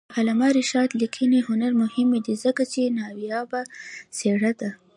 د علامه رشاد لیکنی هنر مهم دی ځکه چې نایابه څېره ده.